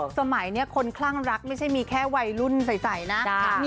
สมัยนี้คนคลั่งรักไม่ใช่มีแค่วัยรุ่นใส่นะ